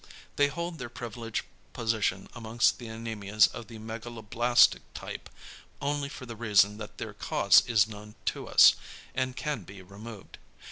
They hold their privileged position amongst the anæmias of the megaloblastic type, only for the reason that their cause is known to us, and can be removed.